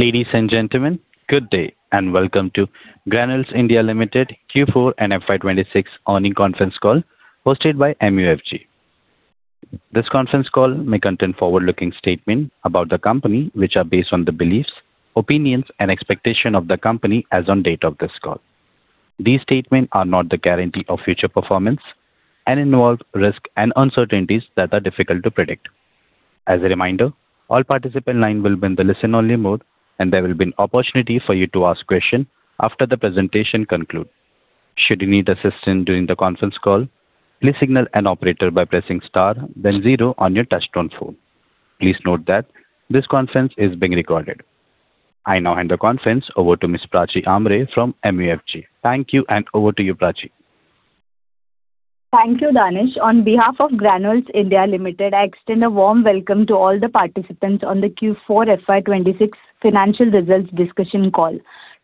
Ladies and gentlemen, good day, and welcome to Granules India Limited Q4 and FY 2026 earnings conference call hosted by MUFG. This conference call may contain forward-looking statements about the company, which are based on the beliefs, opinions, and expectations of the company as on date of this call. These statements are not the guarantee of future performance and involve risks and uncertainties that are difficult to predict. As a reminder, all participant lines will be in the listen-only mode, and there will be an opportunity for you to ask questions after the presentation concludes. Should you need assistance during the conference call, please signal an operator by pressing star then zero on your touch-tone phone. Please note that this conference is being recorded. I now hand the conference over to Ms. Prachi Ambre from MUFG. Thank you, and over to you, Prachi. Thank you, Danish. On behalf of Granules India Limited, I extend a warm welcome to all the participants on the Q4 FY 2026 financial results discussion call.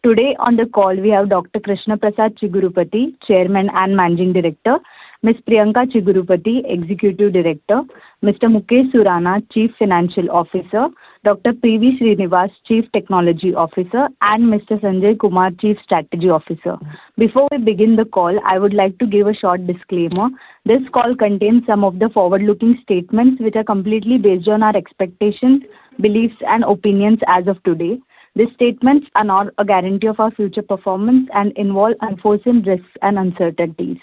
Today on the call we have Dr. Krishna Prasad Chigurupati, Chairman and Managing Director, Ms. Priyanka Chigurupati, Executive Director, Mr. Mukesh Surana, Chief Financial Officer, Dr. P.V. Srinivas, Chief Technology Officer, and Mr. Sanjay Kumar, Chief Strategy Officer. Before we begin the call, I would like to give a short disclaimer. This call contains some of the forward-looking statements which are completely based on our expectations, beliefs, and opinions as of today. These statements are not a guarantee of our future performance and involve unforeseen risks and uncertainties.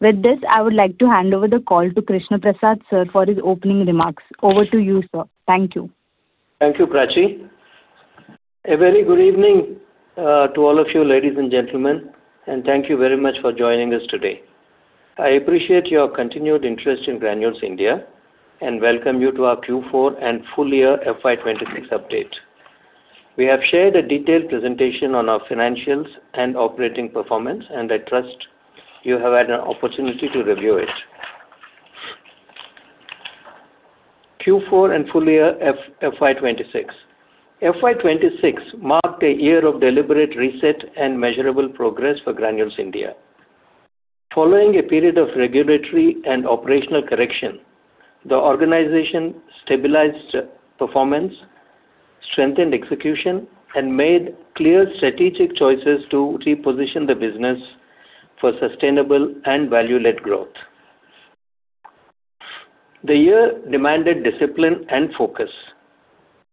With this, I would like to hand over the call to Krishna Prasad, sir, for his opening remarks. Over to you, sir. Thank you. Thank you, Prachi. A very good evening to all of you, ladies and gentlemen, and thank you very much for joining us today. I appreciate your continued interest in Granules India and welcome you to our Q4 and full year FY 2026 update. We have shared a detailed presentation on our financials and operating performance, and I trust you have had an opportunity to review it. Q4 and full year FY 2026. FY 2026 marked a year of deliberate reset and measurable progress for Granules India. Following a period of regulatory and operational correction, the organization stabilized performance, strengthened execution, and made clear strategic choices to reposition the business for sustainable and value-led growth. The year demanded discipline and focus.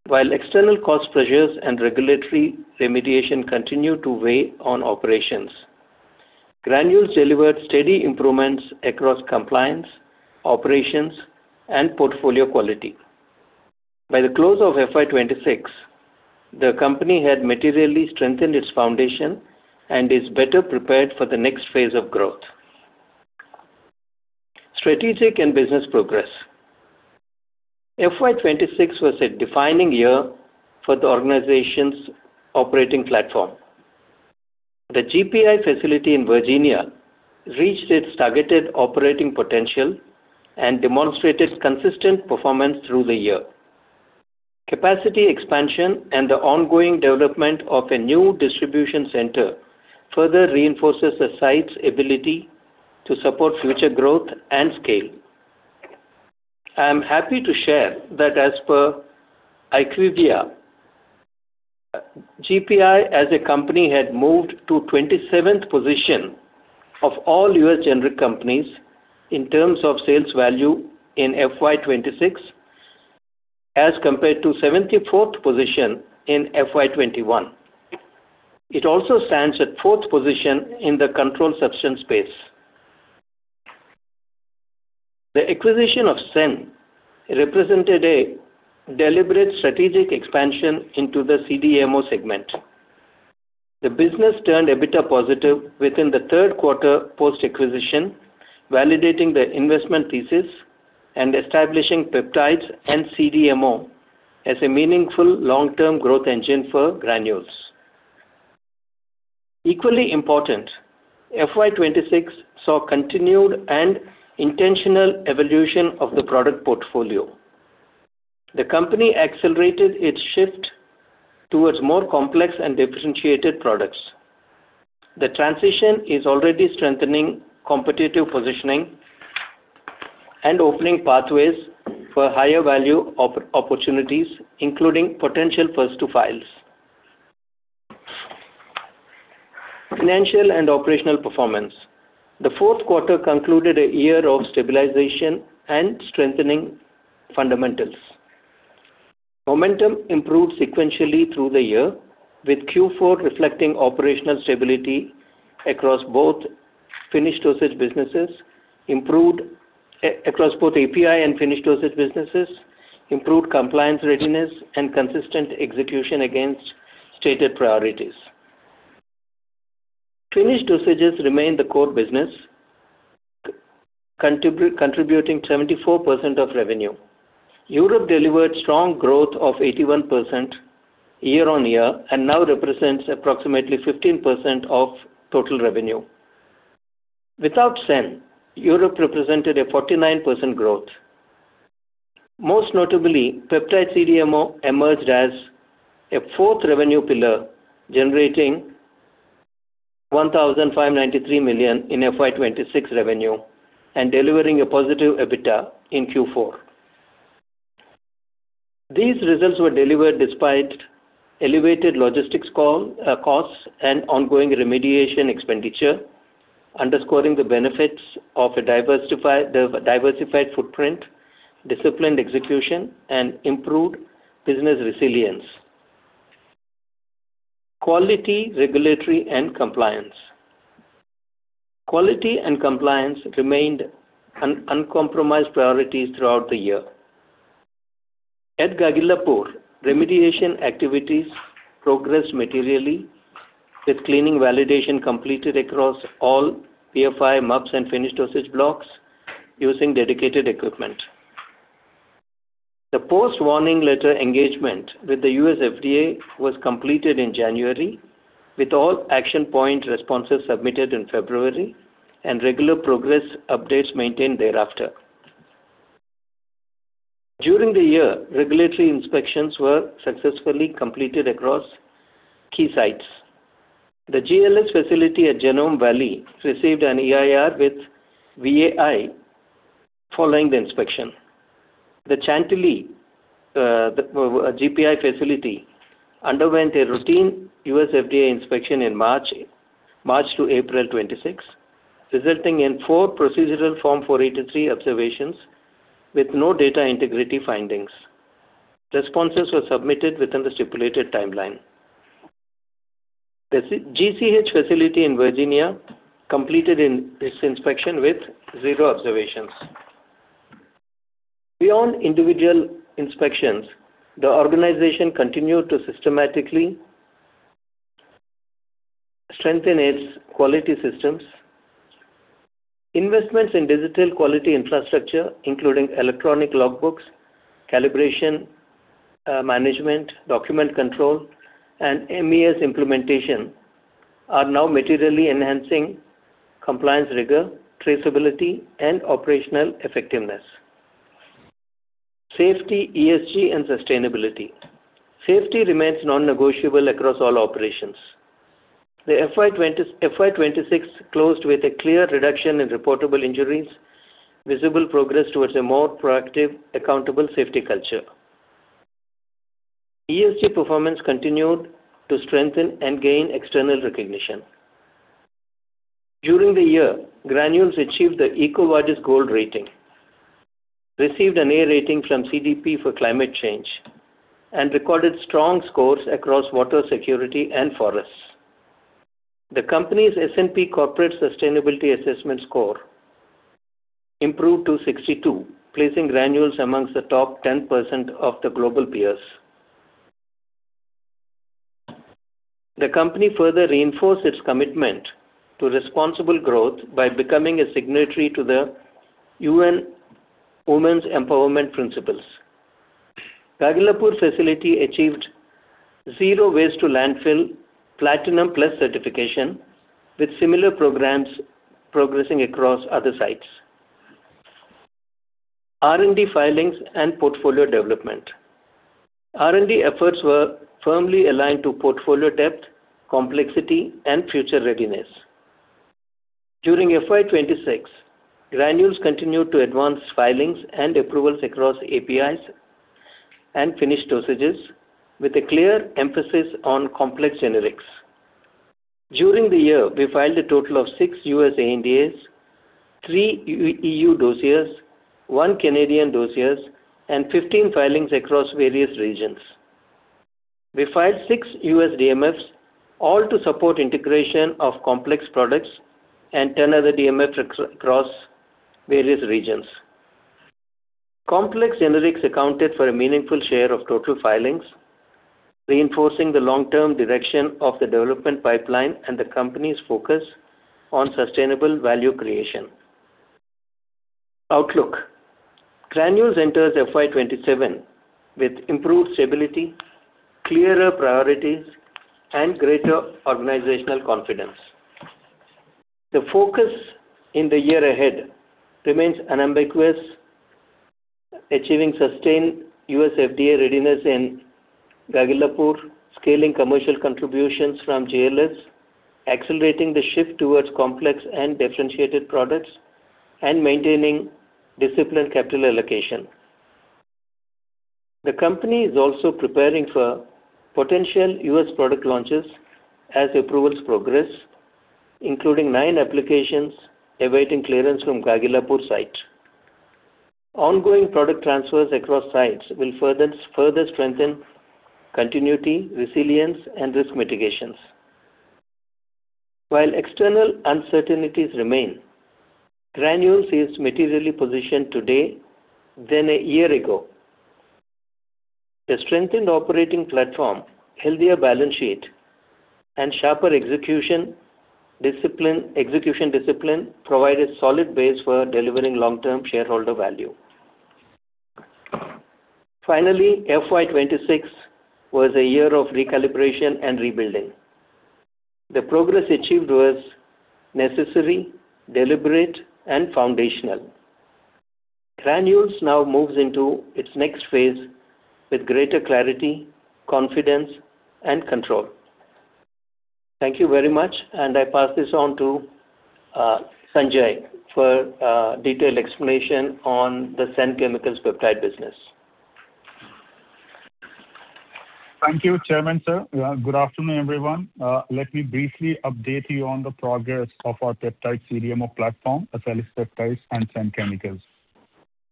While external cost pressures and regulatory remediation continued to weigh on operations, Granules delivered steady improvements across compliance, operations, and portfolio quality. By the close of FY 2026, the company had materially strengthened its foundation and is better prepared for the next phase of growth. Strategic and business progress. FY 2026 was a defining year for the organization's operating platform. The GPI facility in Virginia reached its targeted operating potential and demonstrated consistent performance through the year. Capacity expansion and the ongoing development of a new distribution center further reinforces the site's ability to support future growth and scale. I am happy to share that as per IQVIA, GPI as a company had moved to 27th position of all U.S. generic companies in terms of sales value in FY 2026 as compared to 74th position in FY 2021. It also stands at 4th position in the control substance space. The acquisition of Senn represented a deliberate strategic expansion into the CDMO segment. The business turned a bit of positive within the third quarter post-acquisition, validating the investment thesis and establishing peptides and CDMO as a meaningful long-term growth engine for Granules. Equally important, FY 2026 saw continued and intentional evolution of the product portfolio. The company accelerated its shift towards more complex and differentiated products. The transition is already strengthening competitive positioning and opening pathways for higher value opportunities, including potential first to files. Financial and operational performance. The fourth quarter concluded a year of stabilization and strengthening fundamentals. Momentum improved sequentially through the year, with Q4 reflecting operational stability across both finished dosage businesses, improved across both API and finished dosage businesses, improved compliance readiness and consistent execution against stated priorities. Finished dosages remain the core business contributing 74% of revenue. Europe delivered strong growth of 81% year-over-year and now represents approximately 15% of total revenue. Without Senn, Europe represented a 49% growth. Most notably, peptide CDMO emerged as a fourth revenue pillar, generating 1,593 million in FY 2026 revenue and delivering a positive EBITDA in Q4. These results were delivered despite elevated logistics costs and ongoing remediation expenditure, underscoring the benefits of a diversified footprint, disciplined execution, and improved business resilience. Quality, regulatory, and compliance. Quality and compliance remained uncompromised priorities throughout the year. At Gagillapur, remediation activities progressed materially with cleaning validation completed across all PFI maps and finished dosage blocks using dedicated equipment. The post-warning letter engagement with the U.S. FDA was completed in January, with all action point responses submitted in February and regular progress updates maintained thereafter. During the year, regulatory inspections were successfully completed across key sites. The GLS facility at Genome Valley received an EIR with VAI following the inspection. The Chantilly, the GPI facility underwent a routine U.S. FDA inspection in March to April 2026, resulting in four procedural Form 483 observations with no data integrity findings. Responses were submitted within the stipulated timeline. The GCH facility in Virginia completed in its inspection with zero observations. Beyond individual inspections, the organization continued to systematically strengthen its quality systems. Investments in digital quality infrastructure, including electronic logbooks, calibration management, document control, and MES implementation are now materially enhancing compliance rigor, traceability, and operational effectiveness. Safety, ESG, and sustainability. Safety remains non-negotiable across all operations. The FY 2026 closed with a clear reduction in reportable injuries, visible progress towards a more proactive, accountable safety culture. ESG performance continued to strengthen and gain external recognition. During the year, Granules achieved the EcoVadis gold rating, received an A rating from CDP for climate change, and recorded strong scores across water security and forests. The company's S&P corporate sustainability assessment score improved to 62, placing Granules amongst the top 10% of the global peers. The company further reinforced its commitment to responsible growth by becoming a signatory to the UN Women's Empowerment Principles. Gagillapur facility achieved zero waste to landfill platinum plus certification, with similar programs progressing across other sites. R&D filings and portfolio development. R&D efforts were firmly aligned to portfolio depth, complexity, and future readiness. During FY 2026, Granules continued to advance filings and approvals across APIs and finished dosages with a clear emphasis on complex generics. During the year, we filed a total of six U.S. ANDAs, three EU dossiers, one Canadian dossiers, 15 filings across various regions. We filed six U.S. DMFs, all to support integration of complex products and 10 other DMFs across various regions. Complex generics accounted for a meaningful share of total filings, reinforcing the long-term direction of the development pipeline and the company's focus on sustainable value creation. Outlook. Granules enters FY 2027 with improved stability, clearer priorities, and greater organizational confidence. The focus in the year ahead remains unambiguous: achieving sustained U.S. FDA readiness in Gagillapur, scaling commercial contributions from GLS, accelerating the shift towards complex and differentiated products, and maintaining disciplined capital allocation. The company is also preparing for potential U.S. product launches as approvals progress, including 9 applications awaiting clearance from Gagillapur site. Ongoing product transfers across sites will further strengthen continuity, resilience, and risk mitigations. While external uncertainties remain, Granules is materially positioned today than a year ago. The strengthened operating platform, healthier balance sheet, and sharper execution discipline provide a solid base for delivering long-term shareholder value. FY 2026 was a year of recalibration and rebuilding. The progress achieved was necessary, deliberate, and foundational. Granules now moves into its next phase with greater clarity, confidence, and control. Thank you very much, and I pass this on to Sanjay for a detailed explanation on the Senn Chemicals peptide business. Thank you, Chairman, sir. Good afternoon, everyone. Let me briefly update you on the progress of our peptide CDMO platform, Acelys Peptides and Sen Chemicals.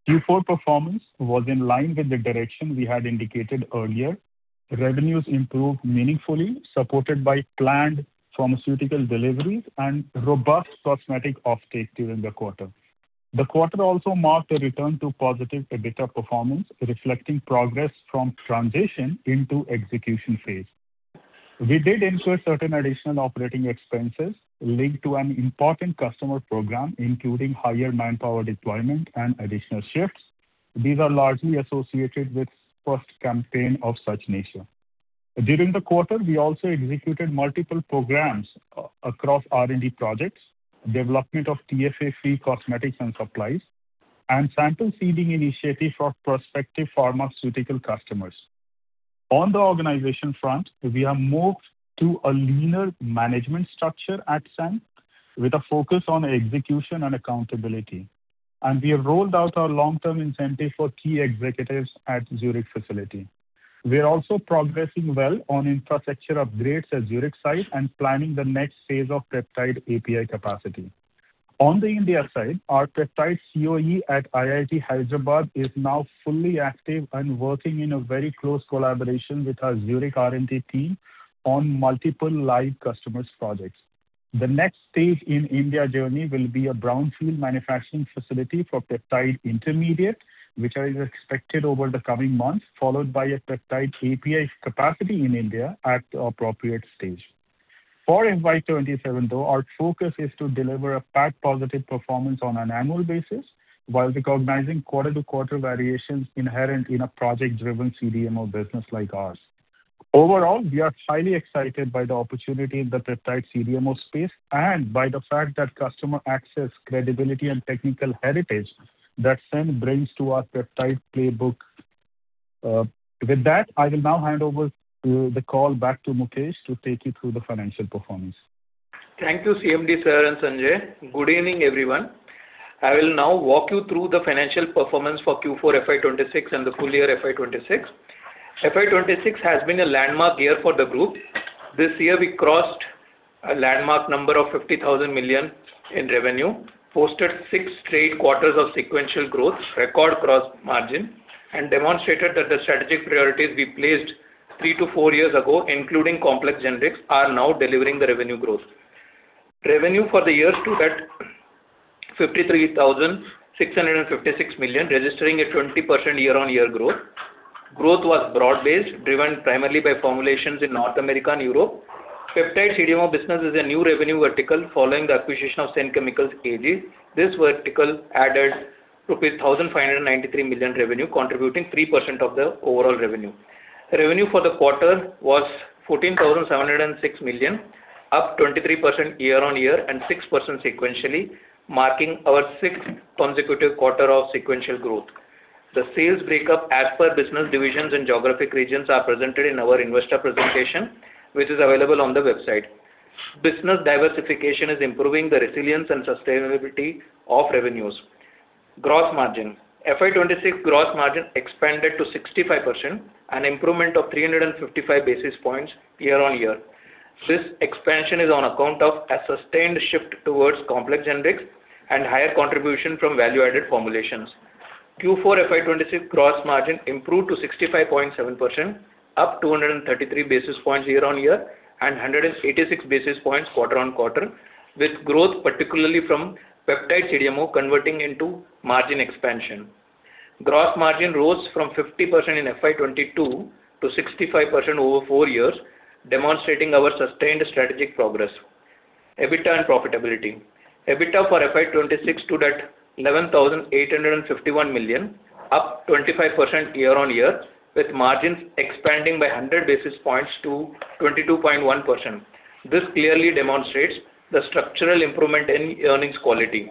Q4 performance was in line with the direction we had indicated earlier. Revenues improved meaningfully, supported by planned pharmaceutical deliveries and robust cosmetic offtake during the quarter. The quarter also marked a return to positive EBITDA performance, reflecting progress from transition into execution phase. We did incur certain additional operating expenses linked to an important customer program, including higher manpower deployment and additional shifts. These are largely associated with first campaign of such nature. During the quarter, we also executed multiple programs across R&D projects, development of TFA-free cosmetics and supplies, and sample seeding initiative for prospective pharmaceutical customers. On the organization front, we have moved to a leaner management structure at Senn, with a focus on execution and accountability. We have rolled out our long-term incentive for key executives at Zurich facility. We are also progressing well on infrastructure upgrades at Zurich site, planning the next phase of peptide API capacity. On the India side, our peptide COE at IIT Hyderabad is now fully active and working in a very close collaboration with our Zurich R&D team on multiple live customers' projects. The next stage in India journey will be a brownfield manufacturing facility for peptide intermediate, which is expected over the coming months, followed by a peptide API capacity in India at the appropriate stage. For FY 2027, though, our focus is to deliver a PAT positive performance on an annual basis while recognizing quarter-to-quarter variations inherent in a project-driven CDMO business like ours. Overall, we are highly excited by the opportunity in the peptide CDMO space and by the fact that customer access, credibility, and technical heritage that Sen brings to our peptide playbook. With that, I will now hand over to the call back to Mukesh to take you through the financial performance. Thank you, CMD, sir and Sanjay. Good evening, everyone. I will now walk you through the financial performance for Q4 FY 2026 and the full year FY 2026. FY 2026 has been a landmark year for the group. This year we crossed a landmark number of 50,000 million in revenue, posted six straight quarters of sequential growth, record gross margin, and demonstrated that the strategic priorities we placed three to four years ago, including complex generics, are now delivering the revenue growth. Revenue for the year stood at 53,656 million, registering a 20% year-on-year growth. Growth was broad-based, driven primarily by formulations in North America and Europe. Peptide CDMO business is a new revenue vertical following the acquisition of Senn Chemicals AG. This vertical added rupees 1,593 million revenue, contributing 3% of the overall revenue. Revenue for the quarter was 14,706 million, up 23% year-on-year and 6% sequentially, marking our 6th consecutive quarter of sequential growth. The sales breakup as per business divisions and geographic regions are presented in our investor presentation, which is available on the website. Business diversification is improving the resilience and sustainability of revenues. Gross margin. FY 2026 gross margin expanded to 65%, an improvement of 355 basis points year-on-year. This expansion is on account of a sustained shift towards complex generics and higher contribution from value-added formulations. Q4 FY 2026 gross margin improved to 65.7%, up 233 basis points year-on-year and 186 basis points quarter-on-quarter, with growth particularly from peptide CDMO converting into margin expansion. Gross margin rose from 50% in FY 2022 to 65% over four years, demonstrating our sustained strategic progress. EBITDA and profitability. EBITDA for FY 2026 stood at 11,851 million, up 25% year-on-year, with margins expanding by 100 basis points to 22.1%. This clearly demonstrates the structural improvement in earnings quality.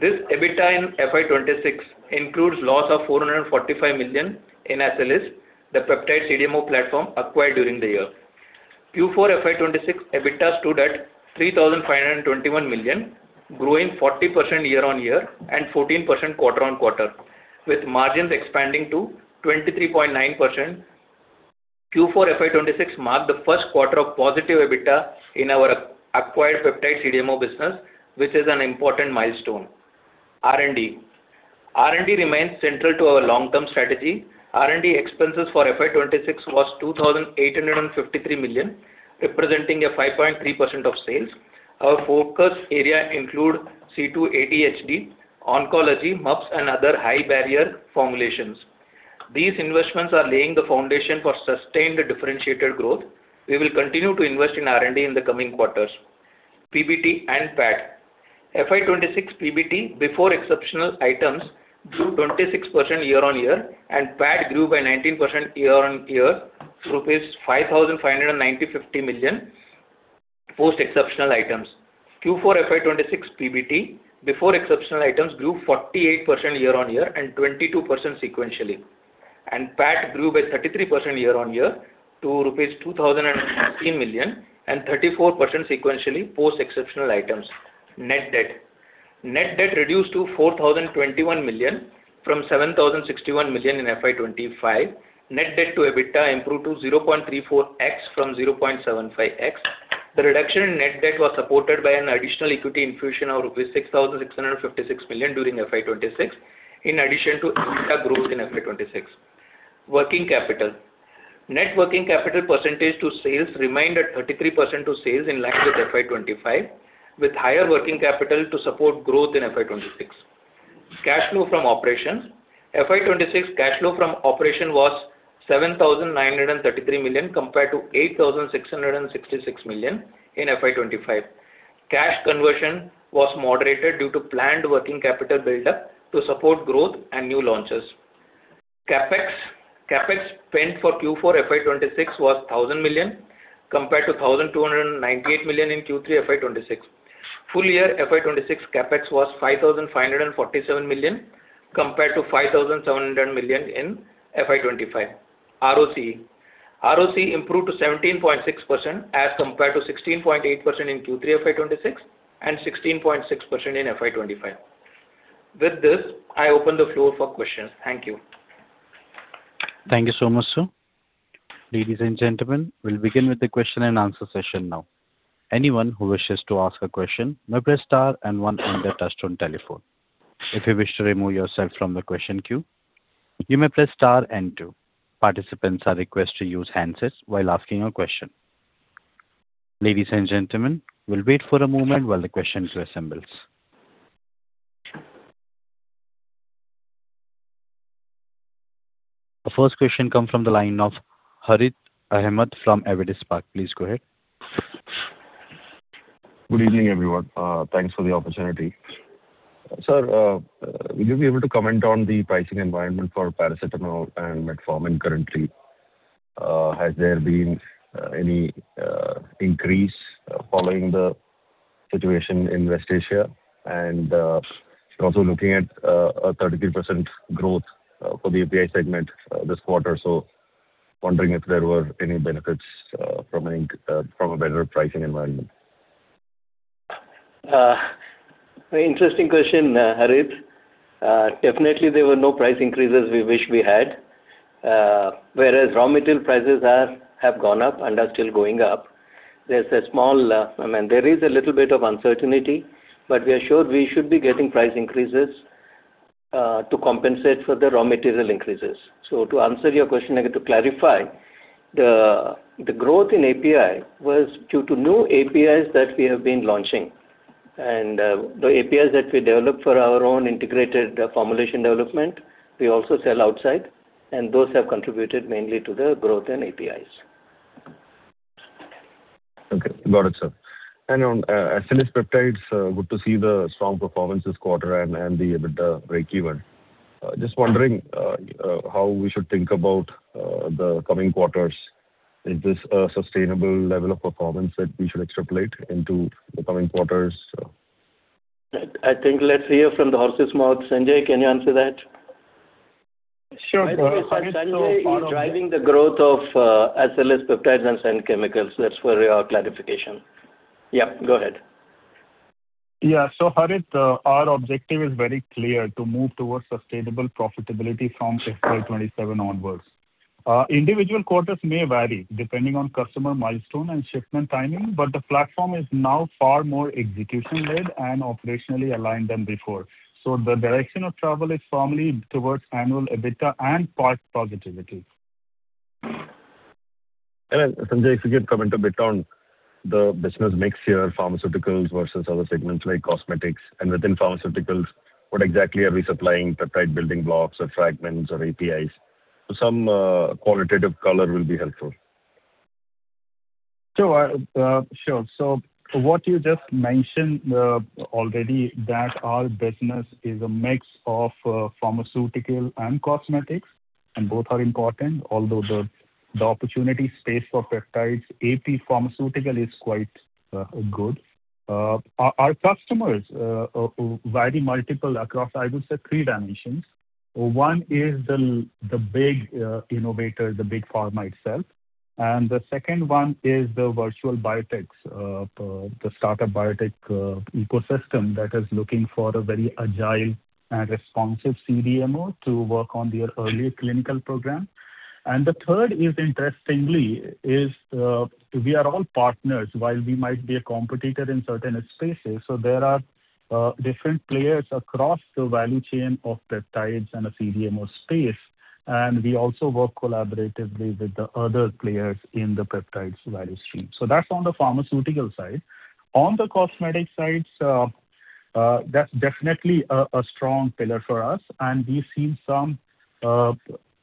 This EBITDA in FY 2026 includes loss of 445 million in Acelys, the peptide CDMO platform acquired during the year. Q4 FY 2026 EBITDA stood at 3,521 million, growing 40% year-on-year and 14% quarter-on-quarter, with margins expanding to 23.9%. Q4 FY 2026 marked the first quarter of positive EBITDA in our acquired peptide CDMO business, which is an important milestone. R&D. R&D remains central to our long-term strategy. R&D expenses for FY 2026 was 2,853 million, representing a 5.3% of sales. Our focus area include C2 ADHD, oncology, MUPS and other high barrier formulations. These investments are laying the foundation for sustained differentiated growth. We will continue to invest in R&D in the coming quarters. PBT and PAT. FY 2026 PBT before exceptional items grew 26% year-on-year. PAT grew by 19% year-on-year, INR 5,590-50 million post exceptional items. Q4 FY 2026 PBT before exceptional items grew 48% year-on-year and 22% sequentially. PAT grew by 33% year-on-year to rupees 2,013 million and 34% sequentially post exceptional items. Net debt. Net debt reduced to 4,021 million from 7,061 million in FY 2025. Net debt to EBITDA improved to 0.34x from 0.75x. The reduction in net debt was supported by an additional equity infusion of rupees 6,656 million during FY 2026, in addition to EBITDA growth in FY 2026. Working capital. Net working capital percentage to sales remained at 33% to sales in line with FY 2025, with higher working capital to support growth in FY 2026. Cash flow from operations. FY 2026 cash flow from operation was 7,933 million compared to 8,666 million in FY 2025. Cash conversion was moderated due to planned working capital buildup to support growth and new launches. CapEx. CapEx spent for Q4 FY 2026 was 1,000 million compared to 1,298 million in Q3 FY 2026. Full year FY 2026 CapEx was 5,547 million compared to 5,700 million in FY 2025. ROCE. ROCE improved to 17.6% as compared to 16.8% in Q3 FY 2026 and 16.6% in FY 2025. With this, I open the floor for questions. Thank you. Thank you so much, sir. Ladies and gentlemen, we'll begin with the question and answer session now. Anyone who wishes to ask a question may press star and one on their touch-tone telephone. If you wish to remove yourself from the question queue, you may press star and two. Participants are requested to use handsets while asking a question. Ladies and gentlemen, we'll wait for a moment while the queue reassembles. The first question comes from the line of Harith Ahamed from Avendus Spark. Please go ahead. Good evening, everyone. Thanks for the opportunity. Sir, will you be able to comment on the pricing environment for paracetamol and metformin currently? Has there been any increase following the situation in West Asia? Also looking at a 33% growth for the API segment this quarter, wondering if there were any benefits from a better pricing environment. Very interesting question, Harith. Definitely there were no price increases we wish we had. Whereas raw material prices have gone up and are still going up. There's a small, I mean, there is a little bit of uncertainty, but we are sure we should be getting price increases to compensate for the raw material increases. To answer your question, I need to clarify. The growth in API was due to new APIs that we have been launching. The APIs that we developed for our own integrated formulation development, we also sell outside, and those have contributed mainly to the growth in APIs. Okay. Got it, sir. On Acelys Peptides, good to see the strong performance this quarter and the EBITDA breakeven. Just wondering how we should think about the coming quarters. Is this a sustainable level of performance that we should extrapolate into the coming quarters? I think let's hear from the horse's mouth. Sanjay, can you answer that? Sure. Sanjay is driving the growth of Acelys Peptides and Senn Chemicals. That's where your clarification. Yeah, go ahead. Yeah. Harith, our objective is very clear, to move towards sustainable profitability from FY 2027 onwards. Individual quarters may vary depending on customer milestone and shipment timing, but the platform is now far more execution-led and operationally aligned than before. The direction of travel is firmly towards annual EBITDA and PAT positivity. Sanjay, if you could comment a bit on the business mix here, pharmaceuticals versus other segments like cosmetics. Within pharmaceuticals, what exactly are we supplying, peptide building blocks or fragments or APIs? Some qualitative color will be helpful. Sure. What you just mentioned already that our business is a mix of pharmaceutical and cosmetics, and both are important. Although the opportunity space for peptides, API pharmaceutical is quite good. Our customers vary multiple across, I would say, three dimensions. One is the big innovator, the big pharma itself. The second one is the virtual biotech, the startup biotech ecosystem that is looking for a very agile and responsive CDMO to work on their early clinical program. The third is interestingly is we are all partners while we might be a competitor in certain spaces. There are different players across the value chain of peptides and a CDMO space, and we also work collaboratively with the other players in the peptides value stream. That's on the pharmaceutical side. On the cosmetic side, that's definitely a strong pillar for us, and we've seen some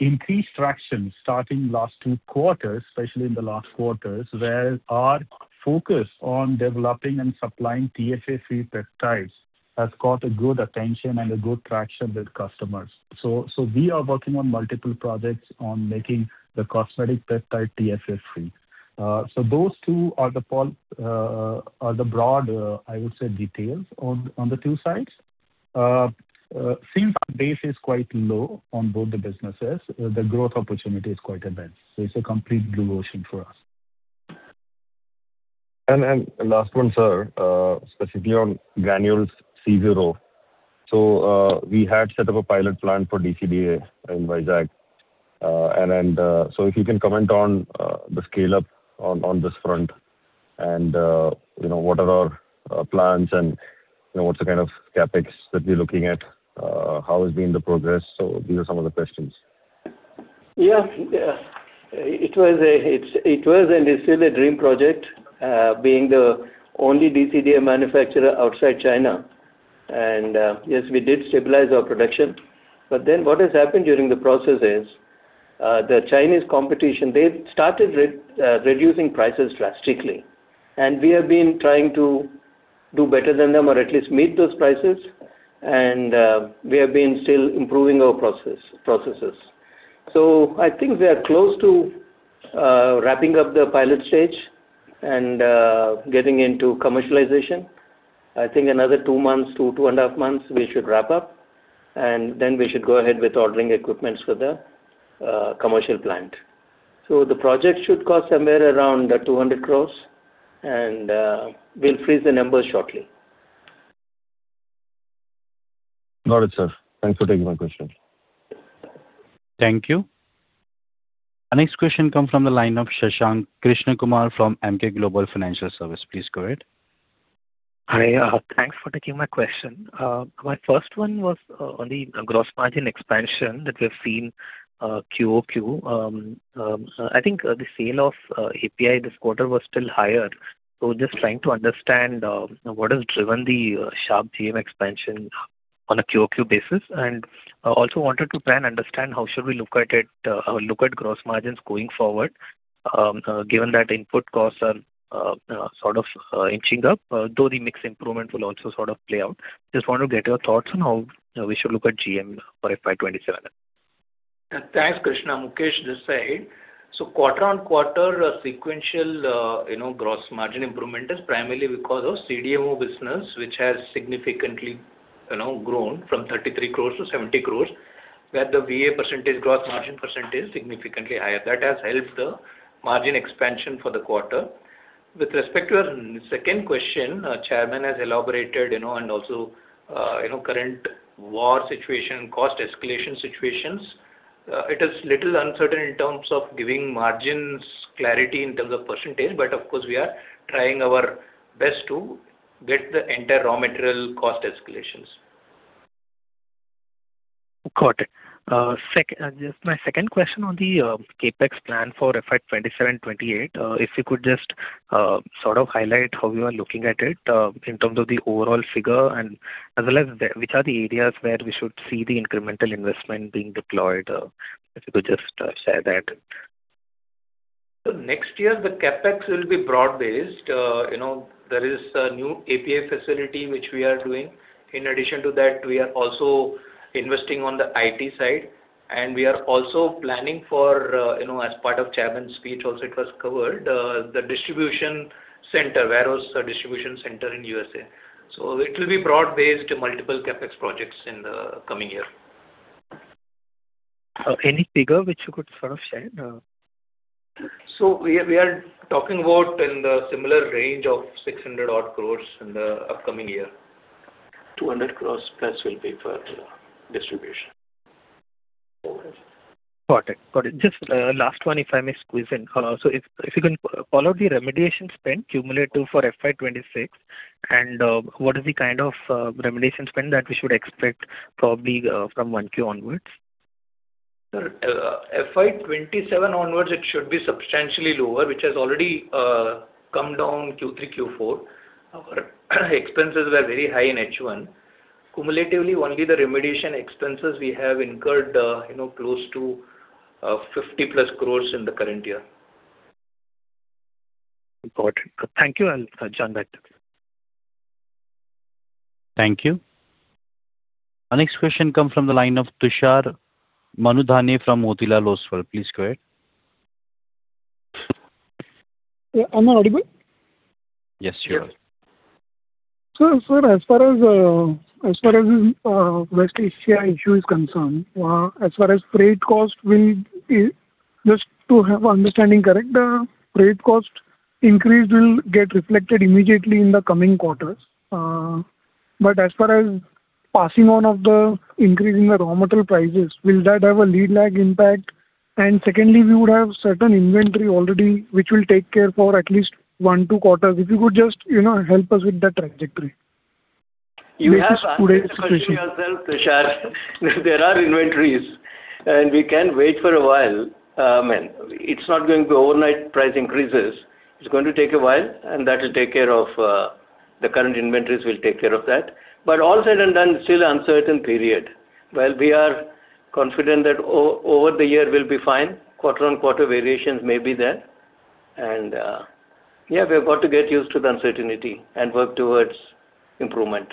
increased traction starting last two quarters, especially in the last quarters, where our focus on developing and supplying TFA-free peptides has got a good attention and a good traction with customers. We are working on multiple projects on making the cosmetic peptide TFA-free. Those two are the broad, I would say details on the two sides. Since our base is quite low on both the businesses, the growth opportunity is quite advanced. It's a complete blue ocean for us. Last one, sir, specifically on Granules CZRO. We had set up a pilot plant for DCDA in Vizag. If you can comment on the scale-up on this front and, you know, what are our plans and, you know, what's the kind of CapEx that we're looking at? How has been the progress? These are some of the questions. Yeah. It was and is still a dream project, being the only DCDA manufacturer outside China. Yes, we did stabilize our production. What has happened during the process is, the Chinese competition, they started reducing prices drastically. We have been trying to do better than them or at least meet those prices and we have been still improving our processes. I think we are close to wrapping up the pilot stage and getting into commercialization. I think another two months to two and a half months we should wrap up, then we should go ahead with ordering equipments for the commercial plant. The project should cost somewhere around 200 crores and we'll freeze the numbers shortly. Got it, sir. Thanks for taking my question. Thank you. Our next question comes from the line of Shashank Krishnakumar from Emkay Global Financial Services. Please go ahead. Hi. Thanks for taking my question. My first one was on the gross margin expansion that we've seen quarter-over-quarter. I think the sale of API this quarter was still higher. Just trying to understand what has driven the sharp GM expansion on a quarter-over-quarter basis. Also wanted to try and understand how should we look at it or look at gross margins going forward given that input costs are sort of inching up, though the mix improvement will also sort of play out. Just want to get your thoughts on how we should look at GM for FY 2027. Thanks, Krishna. Mukesh this side. Quarter-on-quarter sequential, you know, gross margin improvement is primarily because of CDMO business, which has significantly, you know, grown from 33 crores to 70 crores, where the VA percentage gross margin percentage significantly higher. That has helped the margin expansion for the quarter. With respect to your second question, our chairman has elaborated, you know, and also, you know, current war situation, cost escalation situations. It is little uncertain in terms of giving margins clarity in terms of percentage, but of course we are trying our best to get the entire raw material cost escalations. Got it. Just my second question on the CapEx plan for FY 2027, 2028. If you could just sort of highlight how you are looking at it in terms of the overall figure and as well as which are the areas where we should see the incremental investment being deployed. If you could just share that. Next year the CapEx will be broad-based. You know, there is a new API facility which we are doing. In addition to that, we are also investing on the IT side, and we are also planning for, you know, as part of Chairman's speech also it was covered, the distribution center, warehouse, distribution center in U.S. It will be broad-based multiple CapEx projects in the coming year. Any figure which you could sort of share? We are talking about in the similar range of 600 odd crores in the upcoming year. 200 crores plus will be for distribution. Correct. Got it. Got it. Just last one, if I may squeeze in. If you can follow the remediation spend cumulative for FY 2026 and what is the kind of remediation spend that we should expect probably from 1Q onwards? Sir, FY 2027 onwards it should be substantially lower, which has already come down Q3, Q4. Our expenses were very high in H1. Cumulatively, only the remediation expenses we have incurred, you know, close to 50 plus crores in the current year. Got it. Thank you. I'll join back. Thank you. Our next question come from the line of Tushar Manudhane from Motilal Oswal. Please go ahead. Yeah. Am I audible? Yes, you are. Sure. Sir, as far as West Asia issue is concerned, just to have understanding correct, the freight cost increase will get reflected immediately in the coming quarters. As far as passing on of the increase in the raw material prices, will that have a lead lag impact? Secondly, we would have certain inventory already which will take care for at least one, two quarters. If you could just, you know, help us with that trajectory. You have asked the question yourself, Tushar. There are inventories, and we can wait for a while. It's not going to be overnight price increases. It's going to take a while, that will take care of the current inventories will take care of that. All said and done, still uncertain period. While we are confident that over the year we'll be fine, quarter-on-quarter variations may be there. Yeah, we have got to get used to the uncertainty and work towards improvement.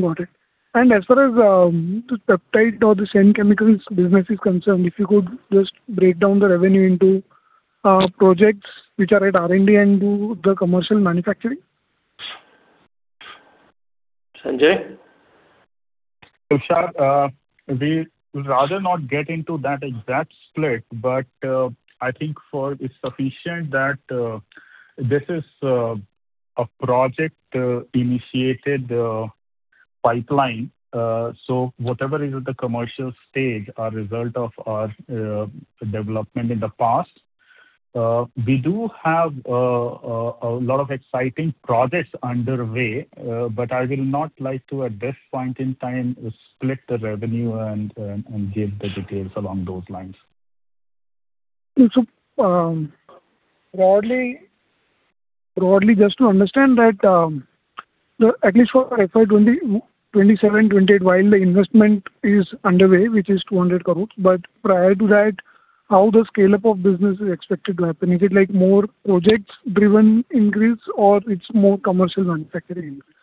Got it. As far as the peptide or the chemical business is concerned, if you could just break down the revenue into projects which are at R&D and do the commercial manufacturing? Sanjay? Tushar, we'd rather not get into that exact split, but I think it's sufficient that this is a project initiated pipeline. Whatever is at the commercial stage are result of our development in the past. We do have a lot of exciting projects underway, but I will not like to at this point in time split the revenue and give the details along those lines. Broadly just to understand that, at least for FY 2027, 2028, while the investment is underway, which is 200 crores, prior to that, how the scale-up of business is expected to happen? Is it like more projects-driven increase or it's more commercial manufacturing increase?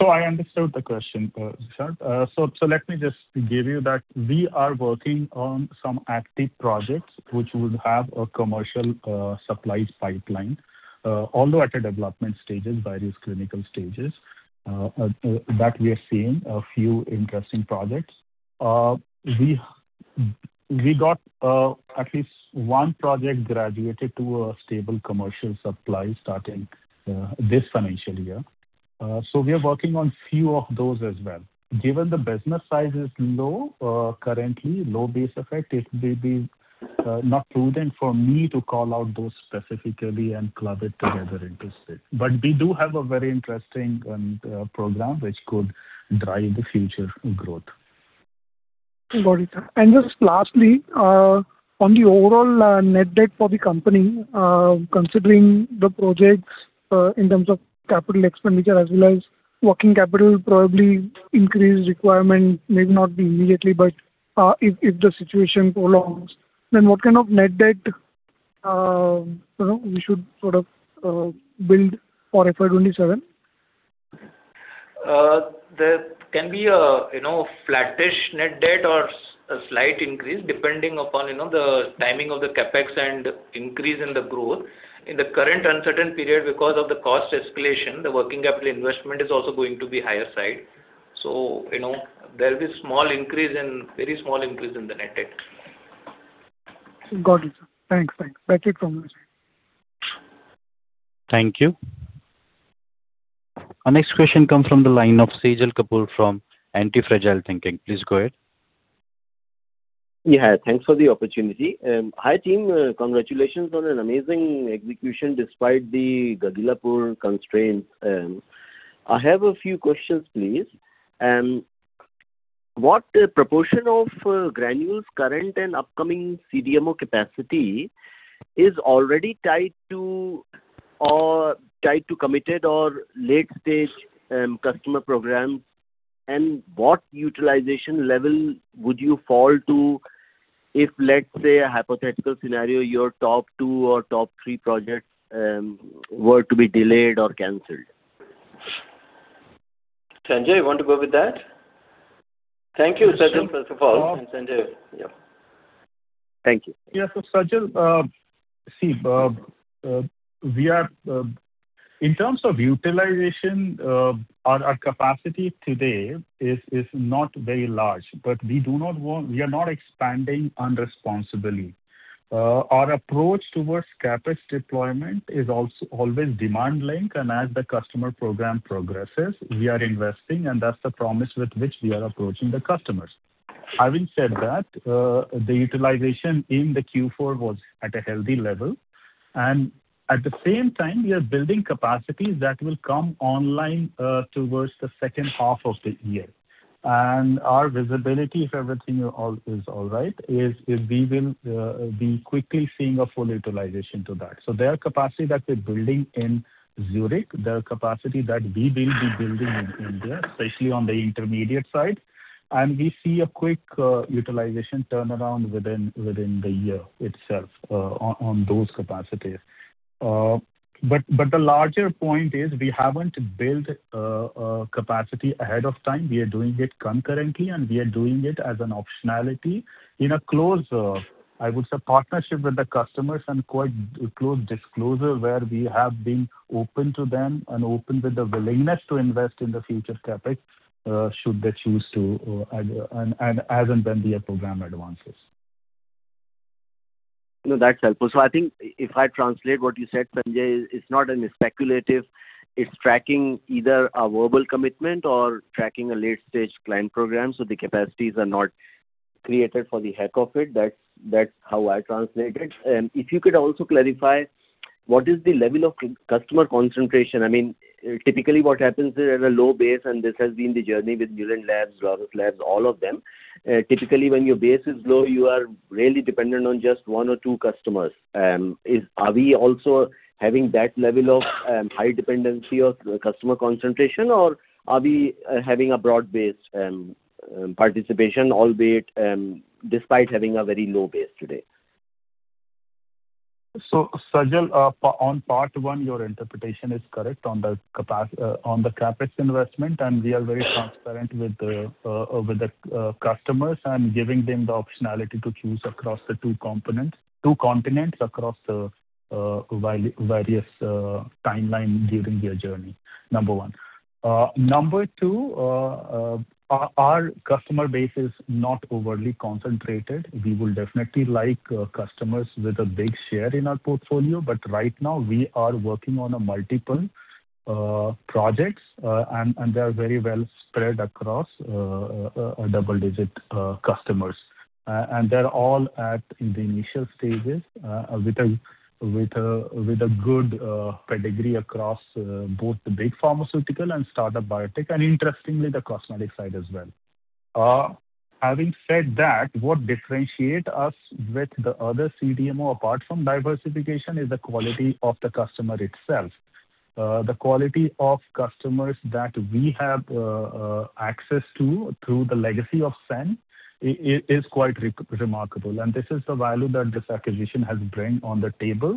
I understood the question, Tushar. Let me just give you that we are working on some active projects which would have a commercial supplies pipeline. Although at a development stages, various clinical stages that we are seeing a few interesting projects. We got at least one project graduated to a stable commercial supply starting this financial year. So we are working on few of those as well. Given the business size is low currently low base effect, it may be not prudent for me to call out those specifically and club it together into state. We do have a very interesting program which could drive the future growth. Got it. Just lastly, on the overall net debt for the company, considering the projects, in terms of capital expenditure as well as working capital probably increase requirement, maybe not be immediately, but if the situation prolongs, then what kind of net debt, you know, we should sort of build for FY 2027? There can be a, you know, flattish net debt or slight increase depending upon, you know, the timing of the CapEx and increase in the growth. In the current uncertain period, because of the cost escalation, the working capital investment is also going to be higher side. There'll be very small increase in the net debt. Got it. Thanks. Back it from my side. Thank you. Our next question comes from the line of Sajal Kapoor from Antifragile Thinking. Please go ahead. Yeah, thanks for the opportunity. Hi, team. Congratulations on an amazing execution despite the Gagillapur constraints. I have a few questions, please. What proportion of Granules' current and upcoming CDMO capacity is already tied to committed or late-stage customer programs? What utilization level would you fall to if, let's say, a hypothetical scenario, your top two or top three projects were to be delayed or canceled? Sanjay, you want to go with that? Thank you, Sajal, first of all. Sanjay, yeah. Thank you. Yeah. Sajal, see, in terms of utilization, our capacity today is not very large, but we are not expanding unresponsibly. Our approach towards CapEx deployment is always demand linked, and as the customer program progresses, we are investing, and that's the promise with which we are approaching the customers. Having said that, the utilization in the Q4 was at a healthy level, and at the same time, we are building capacities that will come online towards the second half of the year. Our visibility, if everything is all right, we will be quickly seeing a full utilization to that. There are capacity that we're building in Zurich, there are capacity that we will be building in India, especially on the intermediate side. We see a quick utilization turnaround within the year itself on those capacities. But the larger point is we haven't built a capacity ahead of time. We are doing it concurrently, we are doing it as an optionality in a close, I would say partnership with the customers and quite close disclosure where we have been open to them and open with the willingness to invest in the future CapEx should they choose to and as and when their program advances. No, that's helpful. I think if I translate what you said, Sanjay, it's not a speculative. It's tracking either a verbal commitment or tracking a late-stage client program, so the capacities are not created for the heck of it. That's how I translate it. If you could also clarify what is the level of customer concentration. I mean, typically what happens is at a low base, and this has been the journey with Mylan Labs, Roussel Labs, all of them. Typically, when your base is low, you are really dependent on just one or two customers. Are we also having that level of high dependency or customer concentration or are we having a broad base participation, albeit, despite having a very low base today? Sajal, on part one, your interpretation is correct on the CapEx investment, and we are very transparent with the customers and giving them the optionality to choose across the two components, two continents across the timeline during their journey. Number one. Number two, our customer base is not overly concentrated. We will definitely like customers with a big share in our portfolio, but right now we are working on a multiple projects, and they're very well spread across double-digit customers. And they're all at in the initial stages with a good pedigree across both the big pharmaceutical and startup biotech, and interestingly, the cosmetic side as well. Having said that, what differentiate us with the other CDMO, apart from diversification, is the quality of the customer itself. The quality of customers that we have access to through the legacy of Sen is quite remarkable, and this is the value that this acquisition has bring on the table.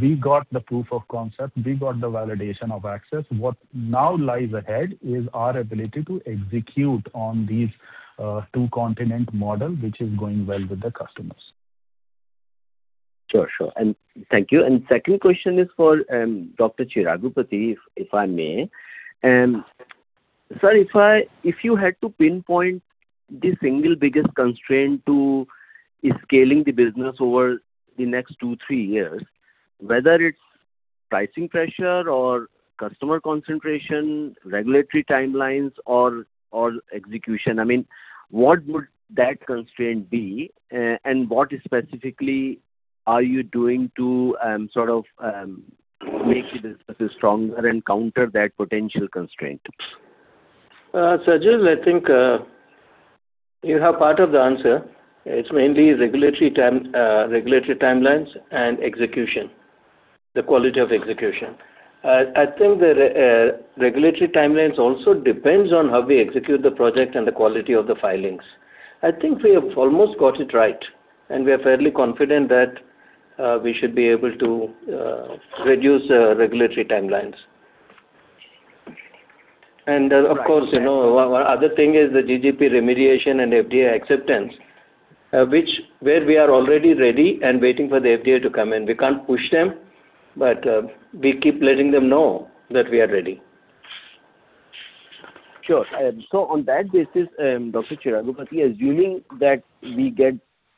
We got the proof of concept. We got the validation of access. What now lies ahead is our ability to execute on these two continent model, which is going well with the customers. Sure, sure. Thank you. Second question is for Dr. Chigurupati, if I may. Sir, if you had to pinpoint the single biggest constraint to scaling the business over the next two, three years, whether it's pricing pressure or customer concentration, regulatory timelines or execution, I mean, what would that constraint be? What specifically are you doing to make the business stronger and counter that potential constraint? Sajal, I think, you have part of the answer. It's mainly regulatory timelines and execution, the quality of execution. I think the regulatory timelines also depends on how we execute the project and the quality of the filings. I think we have almost got it right, and we are fairly confident that we should be able to reduce regulatory timelines. And of course, you know, other thing is the GMP remediation and FDA acceptance, which, where we are already ready and waiting for the FDA to come in. We can't push them, but we keep letting them know that we are ready. Sure. On that basis, Dr. Chigurupati, assuming that we get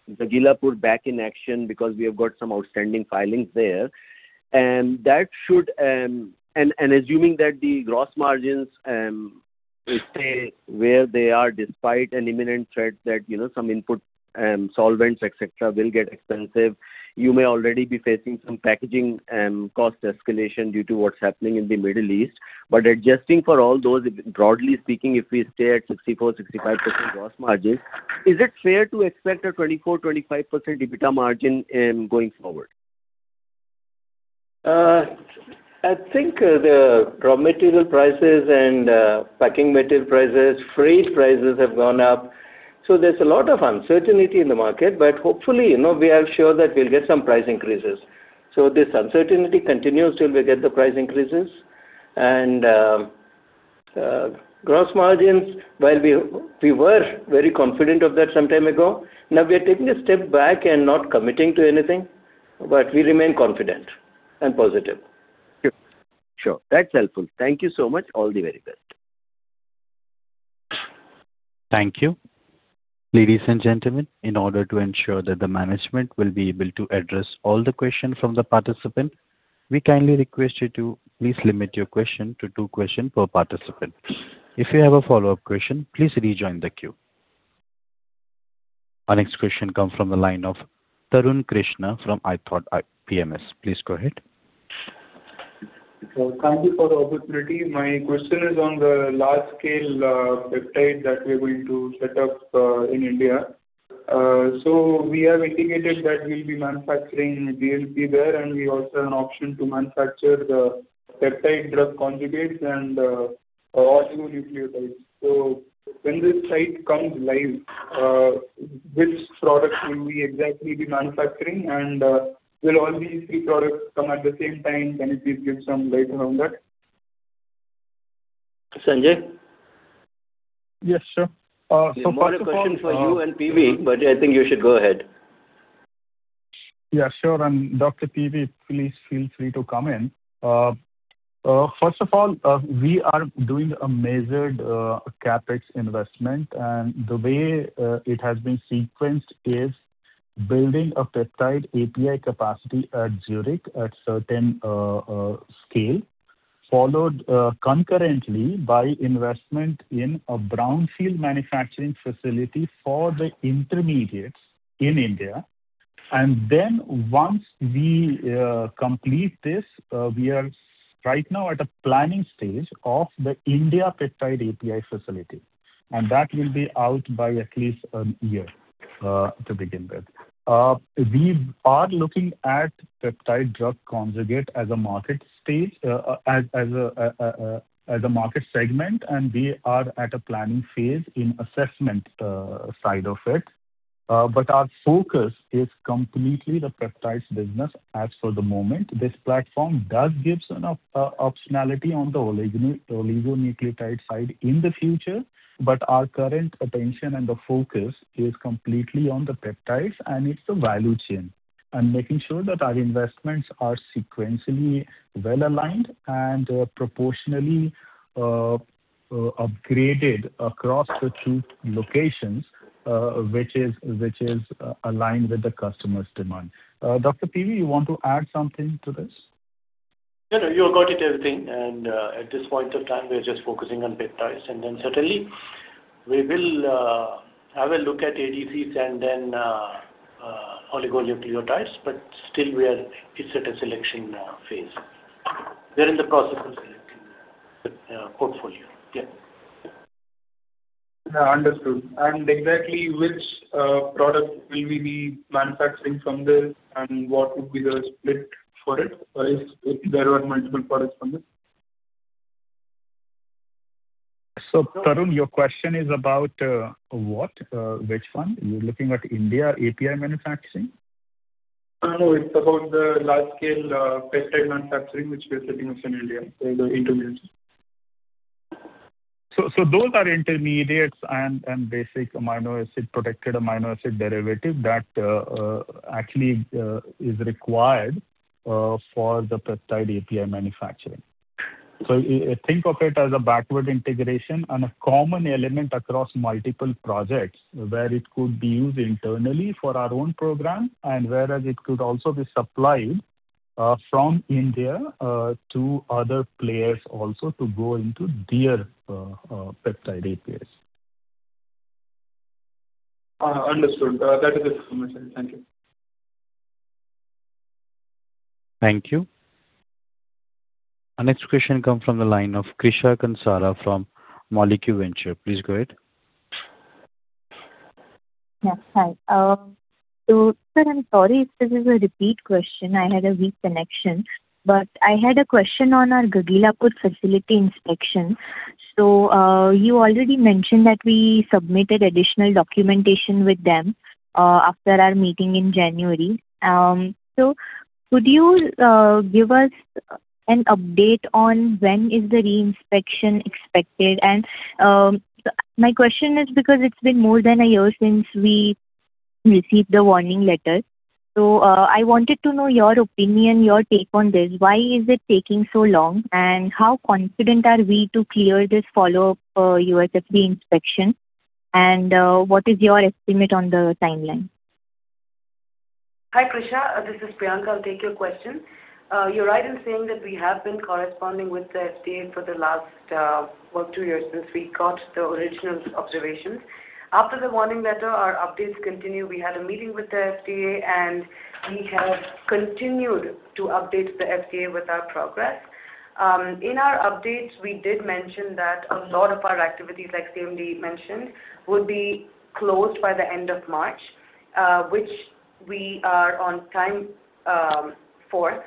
the Gagillapur back in action because we have got some outstanding filings there, that should. Assuming that the gross margins stay where they are despite an imminent threat that, you know, some input, solvents, et cetera, will get expensive, you may already be facing some packaging, cost escalation due to what's happening in the Middle East. Adjusting for all those, broadly speaking, if we stay at 64%-65% gross margins, is it fair to expect a 24%-25% EBITDA margin going forward? I think the raw material prices and packing material prices, freight prices have gone up. There's a lot of uncertainty in the market. Hopefully, you know, we are sure that we'll get some price increases. This uncertainty continues till we get the price increases. Gross margins, while we were very confident of that some time ago, now we are taking a step back and not committing to anything, but we remain confident and positive. Sure. That's helpful. Thank you so much. All the very best. Thank you. Ladies and gentlemen, in order to ensure that the management will be able to address all the question from the participant, we kindly request you to please limit your question to two question per participant. If you have a follow-up question, please rejoin the queue. Our next question comes from the line of Tarun Krishna from ithoughtpms. Please go ahead. Thank you for the opportunity. My question is on the large scale peptide that we're going to set up in India. So we have indicated that we'll be manufacturing DLP there, and we also have an option to manufacture the peptide drug conjugates and oligonucleotides. When this site comes live, which product will we exactly be manufacturing? Will all these three products come at the same time? Can you please give some light around that? Sanjay? Yes, sure. More a question for you and P.V., but I think you should go ahead. Yeah, sure. Dr. P.V., please feel free to come in. First of all, we are doing a measured CapEx investment, and the way it has been sequenced is building a peptide API capacity at Zurich at certain scale, followed concurrently by investment in a brownfield manufacturing facility for the intermediates in India. Once we complete this, we are right now at a planning stage of the India peptide API facility, and that will be out by at least a year to begin with. We are looking at peptide drug conjugate as a market stage, as a market segment, and we are at a planning phase in assessment side of it. Our focus is completely the peptides business as for the moment. This platform does give some optionality on the oligonucleotide side in the future, but our current attention and the focus is completely on the peptides and its value chain, and making sure that our investments are sequentially well aligned and proportionally upgraded across the two locations, which is aligned with the customer's demand. Dr. PV, you want to add something to this? No, no, you have got it everything and at this point of time, we are just focusing on peptides and then certainly we will have a look at ADCs and then oligonucleotides, but still it's at a selection phase. We're in the process of selecting the portfolio. Yeah. Yeah, understood. Exactly which product will we be manufacturing from this, and what would be the split for it, or if there are multiple products from this? Tarun, your question is about, what? Which one? You're looking at India API manufacturing? No, it's about the large scale peptide manufacturing which we are setting up in India, so the intermediates. Those are intermediates and basic amino acid, protected amino acid derivative that actually is required for the peptide API manufacturing. Think of it as a backward integration and a common element across multiple projects where it could be used internally for our own program, and whereas it could also be supplied from India to other players also to go into their peptide APIs. Understood. That is it from my side. Thank you. Thank you. Our next question come from the line of Krisha Kansara from Molecule Ventures. Please go ahead. Yeah, hi. Sir, I'm sorry if this is a repeat question. I had a weak connection. I had a question on our Gagillapur facility inspection. You already mentioned that we submitted additional documentation with them after our meeting in January. Could you give us an update on when is the re-inspection expected? My question is because it's been more than a year since we received the warning letter, I wanted to know your opinion, your take on this. Why is it taking so long, and how confident are we to clear this follow-up U.S. FDA inspection? What is your estimate on the timeline? Hi, Krisha. This is Priyanka. I'll take your question. You're right in saying that we have been corresponding with the FDA for the last, well, two years since we got the original observations. After the warning letter, our updates continue. We had a meeting with the FDA and we have continued to update the FDA with our progress. In our updates, we did mention that a lot of our activities, like CMD mentioned, would be closed by the end of March, which we are on time for.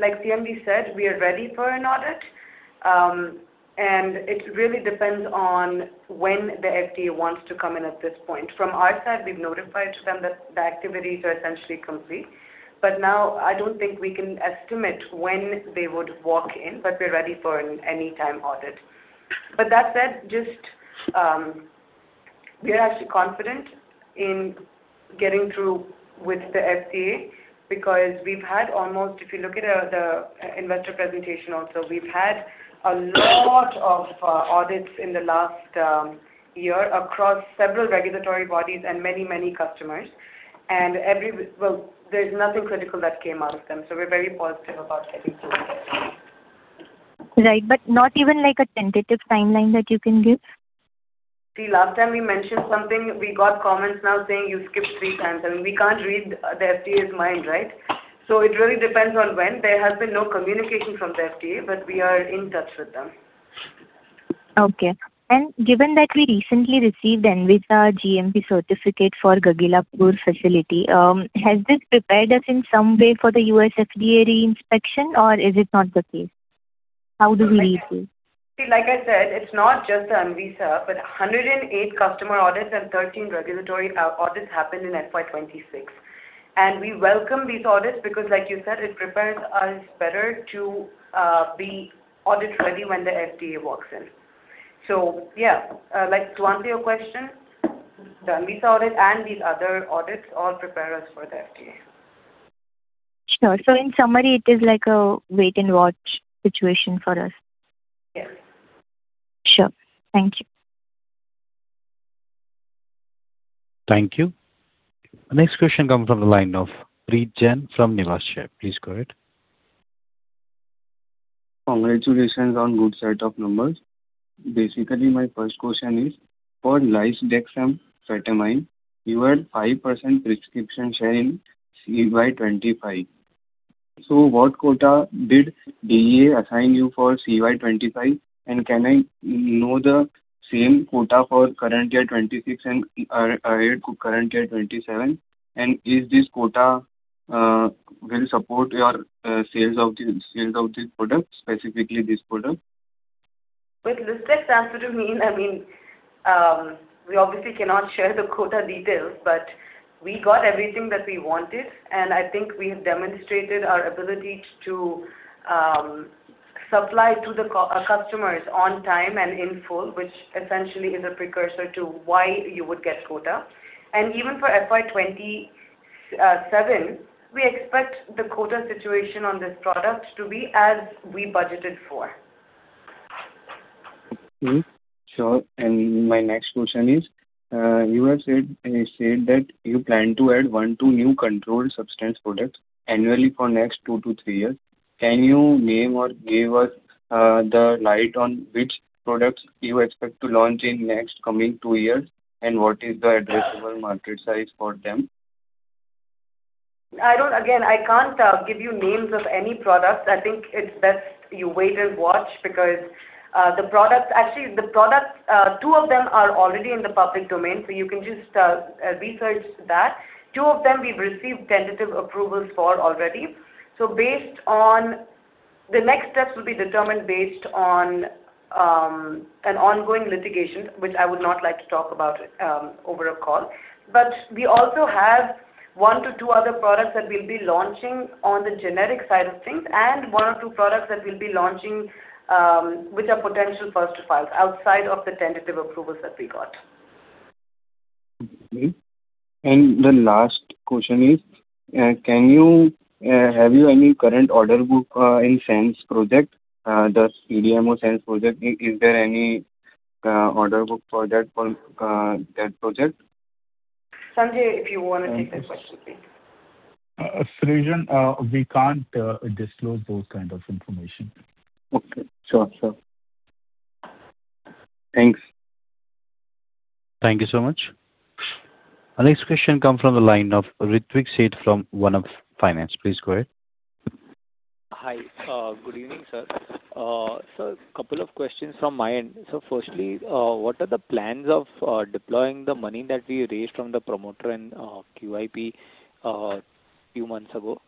Like CMD said, we are ready for an audit. It really depends on when the FDA wants to come in at this point. From our side, we've notified to them that the activities are essentially complete. Now I don't think we can estimate when they would walk in, but we're ready for an anytime audit. That said, just, we are actually confident in getting through with the FDA because we've had almost if you look at the investor presentation also, we've had a lot of audits in the last year across several regulatory bodies and many, many customers. Well, there's nothing critical that came out of them, so we're very positive about getting through with this. Right. Not even like a tentative timeline that you can give? Last time we mentioned something, we got comments now saying you skipped three times. I mean, we can't read the FDA's mind, right? It really depends on when. There has been no communication from the FDA, but we are in touch with them. Okay. Given that we recently received ANVISA GMP certificate for Gagillapur facility, has this prepared us in some way for the U.S. FDA re-inspection or is it not the case? How do we read this? Like I said, it's not just the ANVISA, but 108 customer audits and 13 regulatory audits happened in FY 2026. We welcome these audits because like you said, it prepares us better to be audit ready when the FDA walks in. Like to answer your question, the ANVISA audit and these other audits all prepare us for the FDA. Sure. In summary it is like a wait and watch situation for us. Yes. Sure. Thank you. Thank you. Our next question comes from the line of Preet Jain from Niveshaay. Please go ahead. Congratulations on good set of numbers. My first question is, for lisdexamfetamine, you had 5% prescription share in CY 2025. What quota did DEA assign you for CY 2025? Can I know the same quota for current year 2026 and current year 2027? In this quarter, will support your sales of this product, specifically this product? With this tech transfer to mean, I mean, we obviously cannot share the quota details, but we got everything that we wanted, and I think we have demonstrated our ability to supply to our customers on time and in full, which essentially is a precursor to why you would get quota. Even for FY 2027, we expect the quota situation on this product to be as we budgeted for. Mm-hmm. Sure. My next question is, you have said that you plan to add 1-2 new controlled substance products annually for next two to three years. Can you name or give us the light on which products you expect to launch in next coming two years, and what is the addressable market size for them? Again, I can't give you names of any products. I think it's best you wait and watch because actually, the products, two of them are already in the public domain, so you can just research that. Two of them we've received tentative approvals for already. The next steps will be determined based on an ongoing litigation, which I would not like to talk about over a call. We also have one to two other products that we'll be launching on the generic side of things and one or two products that we'll be launching, which are potential first to files outside of the tentative approvals that we got. The last question is, can you have you any current order book in Senn project, the CDMO Senn project? Is there any order book for that, for that project? Sanjay, if you wanna take that question, please. Preet Jain, we can't disclose those kind of information. Okay. Sure, sir. Thanks. Thank you so much. Our next question come from the line of Ritwik Sheth from One-Up Finance. Please go ahead. Hi. Good evening, sir. Two questions from my end. Firstly, what are the plans of deploying the money that we raised from the promoter and QIP a few months ago?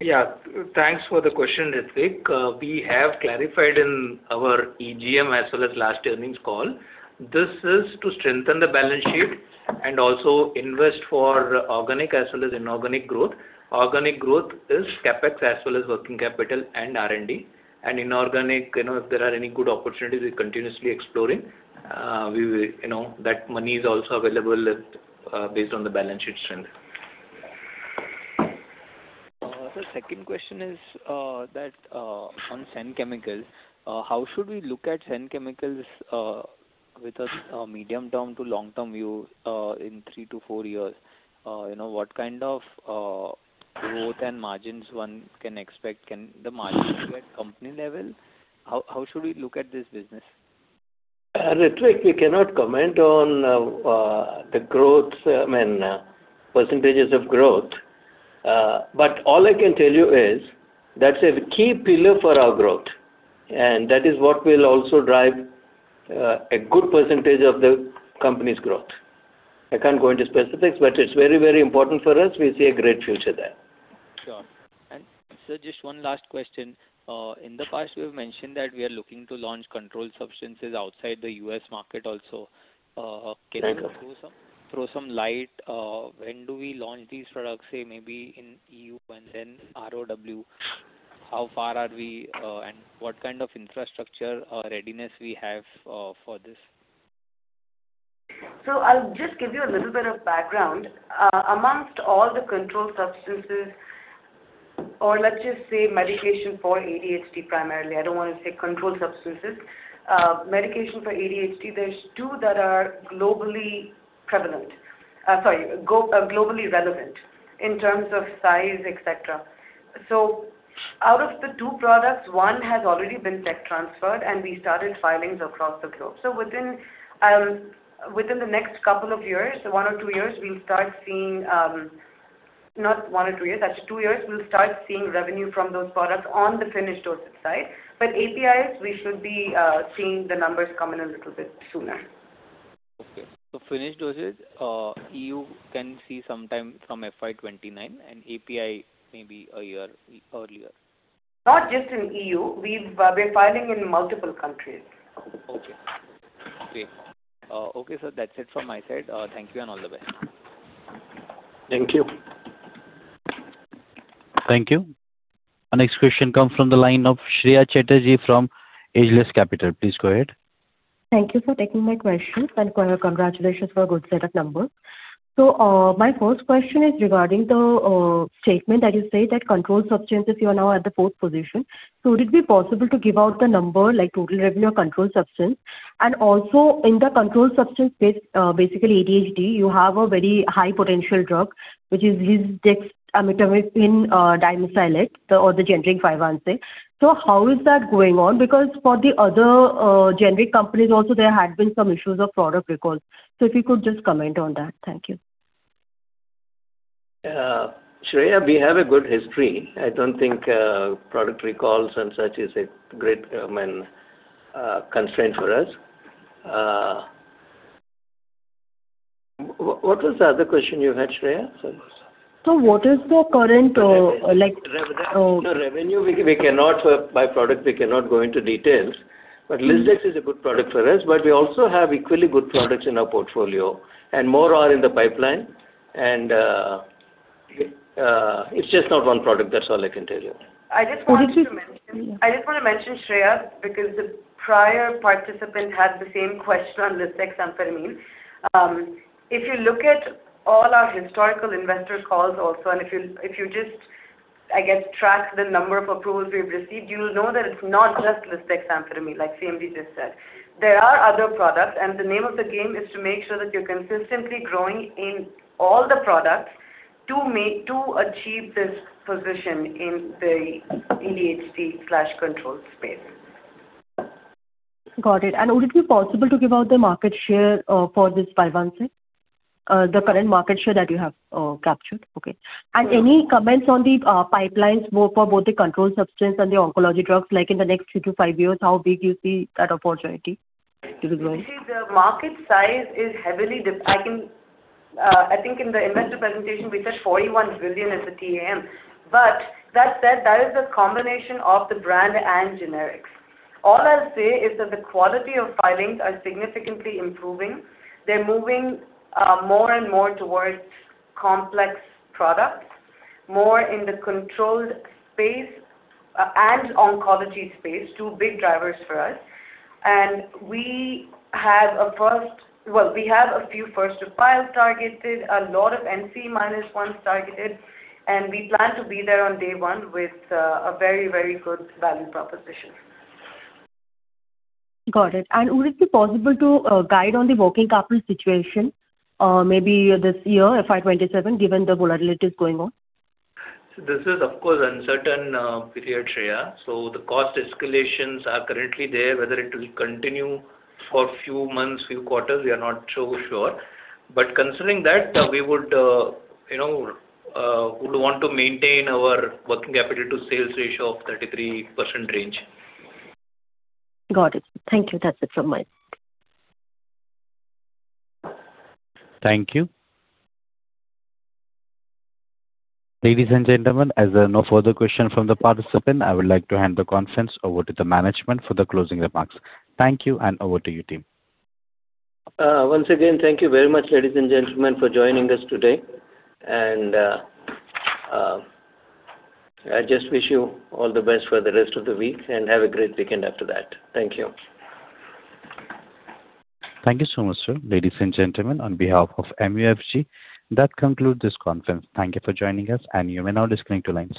Yeah. Thanks for the question, Ritwik. We have clarified in our EGM as well as last earnings call. This is to strengthen the balance sheet and also invest for organic as well as inorganic growth. Organic growth is CapEx as well as working capital and R&D. Inorganic, you know, if there are any good opportunities, we're continuously exploring. You know, that money is also available, based on the balance sheet strength. Sir, second question is that on Senn Chemicals, how should we look at Senn Chemicals with a medium term to long term view in three to four years? You know, what kind of growth and margins one can expect? Can the margins be at company level? How should we look at this business? Ritwik, we cannot comment on the growth, I mean, percentages of growth. All I can tell you is that's a key pillar for our growth, and that is what will also drive a good percentage of the company's growth. I can't go into specifics, but it's very, very important for us. We see a great future there. Sure. Sir, just one last question. In the past you have mentioned that we are looking to launch controlled substances outside the U.S. market also. Right. Can you throw some light, when do we launch these products, say maybe in EU and then ROW? How far are we, and what kind of infrastructure or readiness we have for this? I'll just give you a little bit of background. Amongst all the controlled substances, or let's just say medication for ADHD primarily, I don't wanna say controlled substances. Medication for ADHD, there's two that are globally prevalent. Globally relevant in terms of size, et cetera. Out of the two products, one has already been tech transferred, and we started filings across the globe. Within, within the next couple of years, one or two years, we'll start seeing. Not one or two years. Actually two years, we'll start seeing revenue from those products on the finished dosage side. APIs, we should be seeing the numbers come in a little bit sooner. Okay. Finished dosage, EU can see sometime from FY 2029 and API maybe a year earlier. Not just in EU. We've been filing in multiple countries. Okay. Great. Okay, sir, that's it from my side. Thank you and all the best. Thank you. Thank you. Our next question come from the line of Shreya Chatterjee from Ageless Capital. Please go ahead. Thank you for taking my questions and congratulations for a good set of numbers. My first question is regarding the statement that you said that controlled substances, you are now at the 4th position. In the controlled substance space, basically ADHD, you have a very high potential drug, which is lisdexamfetamine dimesylate, or the generic Vyvanse. How is that going on? Because for the other generic companies also there had been some issues of product recalls. If you could just comment on that. Thank you. Shreya, we have a good history. I don't think product recalls and such is a great, I mean, constraint for us. What was the other question you had, Shreya? Sorry. What is the current, like? No, revenue, we cannot by product, we cannot go into details. Lisdex is a good product for us, but we also have equally good products in our portfolio, and more are in the pipeline and it's just not one product. That's all I can tell you. Would it be. I just wanna mention, Shreya, because the prior participant had the same question on lisdexamfetamine. If you look at all our historical investor calls also, and if you just, I guess, track the number of approvals we've received, you'll know that it's not just lisdexamfetamine, like CMD just said. There are other products. The name of the game is to make sure that you're consistently growing in all the products to achieve this position in the ADHD/controlled space. Got it. Would it be possible to give out the market share for this Vyvanse? The current market share that you have captured? Okay. Any comments on the pipelines more for both the controlled substance and the oncology drugs, like in the next two to five years, how big do you see that opportunity to be growing? I can, I think in the investor presentation we said 41 billion as a TAM. That said, that is a combination of the brand and generics. All I'll say is that the quality of filings are significantly improving. They're moving more and more towards complex products, more in the controlled space, and oncology space, two big drivers for us. Well, we have a few first to file targeted, a lot of NCE-1s targeted, and we plan to be there on day one with a very, very good value proposition. Got it. Would it be possible to guide on the working capital situation, maybe this year, FY 2027, given the volatility that's going on? This is, of course, uncertain period, Shreya. The cost escalations are currently there. Whether it will continue for few months, few quarters, we are not so sure. Considering that, we would, you know, would want to maintain our working capital to sales ratio of 33% range. Got it. Thank you. That's it from my end. Thank you. Ladies and gentlemen, as there are no further question from the participant, I would like to hand the conference over to the management for the closing remarks. Thank you, and over to you, team. Once again, thank you very much, ladies and gentlemen, for joining us today. I just wish you all the best for the rest of the week, and have a great weekend after that. Thank you. Thank you so much, sir. Ladies and gentlemen, on behalf of MUFG, that concludes this conference. Thank you for joining us, and you may now disconnect your lines.